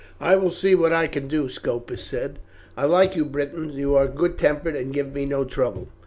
"I will see what I can do," Scopus said. "I like you Britons, you are good tempered, and give me no trouble.